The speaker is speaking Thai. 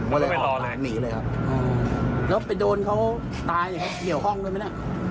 ไม่ต้องไปรอเลยครับอืมแล้วไปโดนเขาตายอย่างนี้ห้องด้วยมั้ยเนี่ย